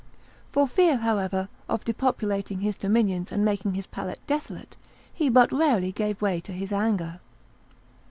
For fear, however, of depopulating his dominions and making his palace desolate he but rarely gave way to his anger.